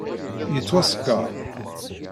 Yettwasker.